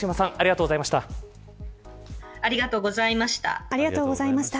福島さんありがとうございました。